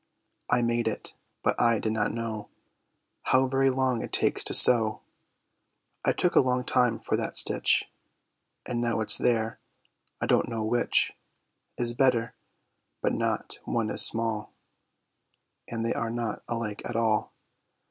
I made it. But I did not know How very long it takes to sew. I took a long time for that stitch; And now it's there, I don't know which Is better. But not one is small, And they are not alike at all.